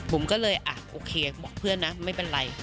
ผมก็เลยอ่ะโอเคบอกเพื่อนนะไม่เป็นไร